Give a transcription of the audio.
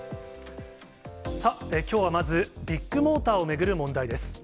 さあ、きょうはまずビッグモーターを巡る問題です。